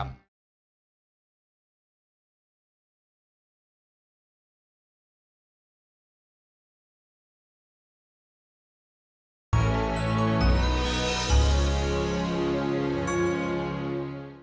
aku juga sedikit terburu buru remember that